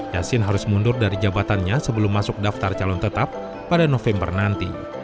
yasin harus mundur dari jabatannya sebelum masuk daftar calon tetap pada november nanti